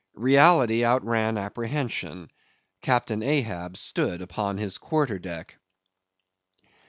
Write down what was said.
Reality outran apprehension; Captain Ahab stood upon his quarter deck.